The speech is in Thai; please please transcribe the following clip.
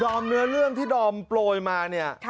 อมเนื้อเรื่องที่ดอมโปรยมาเนี่ย